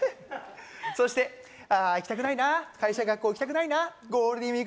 そして、あぁ行きたくないな、会社、学校行きたくないな。